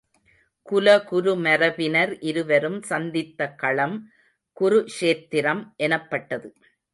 குலகுரு மரபினர் இருவரும் சந்தித்த களம் குருக்ஷேத்திரம் எனப்பட்டது.